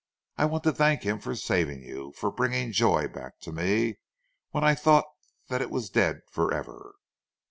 "I want to thank him for saving you, for bringing joy back to me when I thought that it was dead for ever."